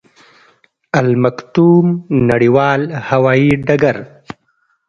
المکتوم نړیوال هوايي ډګر